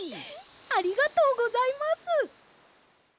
ありがとうございます。